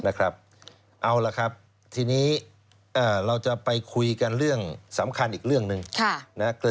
เอาล่ะครับทีนี้เราจะไปคุยกันเรื่องสำคัญอีกเรื่องหนึ่ง